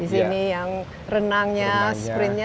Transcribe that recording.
di sini yang renangnya sprintnya